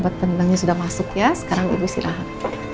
obat tendangnya sudah masuk ya sekarang ibu silahkan